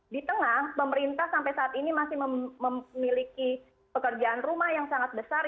di tengah pemerintah sampai saat ini masih memiliki pekerjaan rumah yang sangat besar